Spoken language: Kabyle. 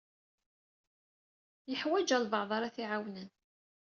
Yeḥwaj albaɛḍ ara t-iɛawnen.